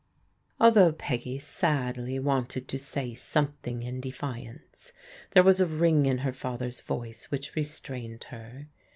Although Peggy sadly wanted to say something in de fiance, there was a ring in her father's voice which re strained her.